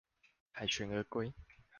凱旋而歸